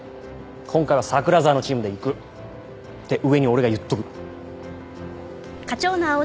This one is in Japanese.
今回は桜沢のチームでいくって上に俺が言っとく。